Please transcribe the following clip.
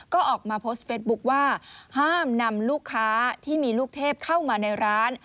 ก็ออกมาโพสต์เฟสบุ๊คว่าห้ามนำลูกค้าที่มีลูกเทพเข้ามาในร้าน